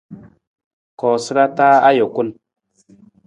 Koosara taa ajukun.